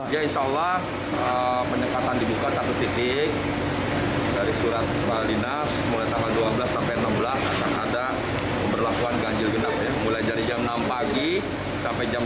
ya insya allah penyekatan dibuka satu titik dari surat pak dinas mulai tanggal dua belas sampai enam belas akan ada berlakuan ganjil genap mulai dari jam enam pagi sampai jam dua belas